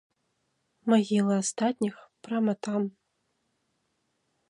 Магілы астатніх прама там.